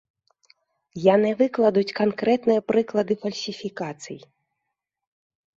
Яны выкладуць канкрэтныя прыклады фальсіфікацый.